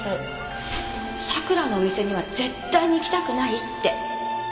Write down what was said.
「桜のお店には絶対に行きたくない」って